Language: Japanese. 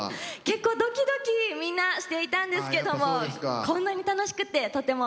結構ドキドキみんなしていたんですけどもこんなに楽しくってとても思い出に残りました。